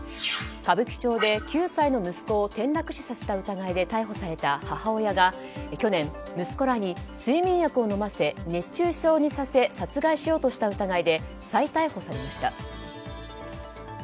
歌舞伎町で９歳の息子を転落死させた疑いで逮捕された母親が去年、息子らに睡眠薬を飲ませ熱中症にさせ殺害しようとした疑いで再逮捕されました。